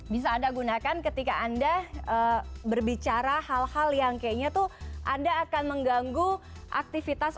bisa anda gunakan ketika anda berbicara hal hal yang kayaknya tuh anda akan mengganggu aktivitas